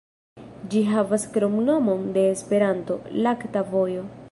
Ĝi havas kromnomon de Esperanto, "Lakta vojo".